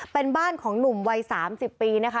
เป็นบ้านของหนุ่มวัย๓๐ปีนะคะ